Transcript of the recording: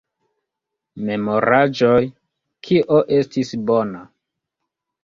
Memoraĵoj Kio estis bona?